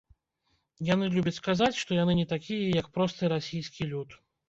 Яны любяць казаць, што яны не такія, як просты расійскі люд.